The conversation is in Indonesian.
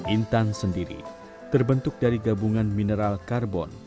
intan sendiri terbentuk dari gabungan mineral karbon